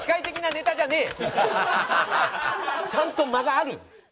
ちゃんと間がある。